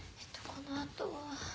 このあとは。